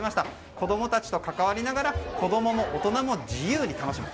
子供たちと関わりながら子供も大人も自由に楽しむ。